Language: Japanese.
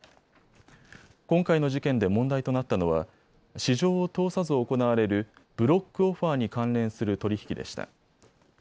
今回の事件で問題となったのは、市場を通さず行われるブロックオファーに関連する取り引きでした。